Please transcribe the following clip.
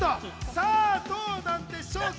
さぁどうなんでしょうか